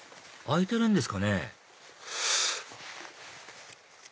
開いてるんですかね？